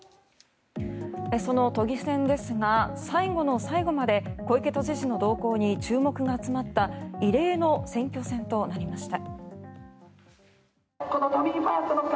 その都議選ですが最後の最後まで小池知事の動向に注目が集まった異例の選挙戦となりました。